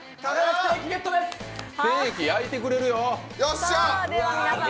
ステーキ焼いてくれるよ。